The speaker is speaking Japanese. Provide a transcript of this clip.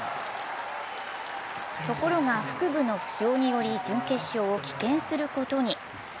ところが腹部の負傷により準決勝を棄権することに。